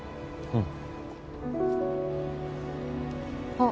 うん。